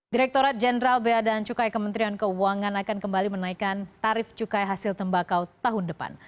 direkturat jenderal bea dan cukai kementerian keuangan akan kembali menaikkan tarif cukai hasil tembakau tahun depan